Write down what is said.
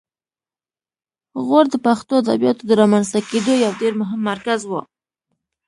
غور د پښتو ادبیاتو د رامنځته کیدو یو ډېر مهم مرکز و